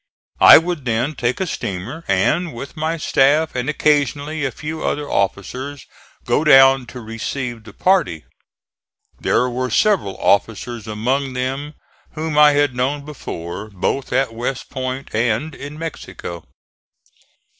I would then take a steamer and, with my staff and occasionally a few other officers, go down to receive the party. There were several officers among them whom I had known before, both at West Point and in Mexico.